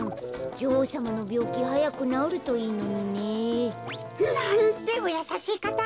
じょおうさまのびょうきはやくなおるといいのにね。なんておやさしいかた！